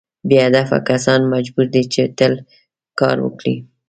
بې هدفه کسان مجبور دي چې تل کار وکړي.